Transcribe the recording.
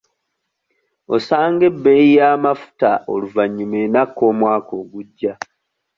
Osanga ebbeeyi y'amafuta oluvannyuma enakka omwaka ogujja.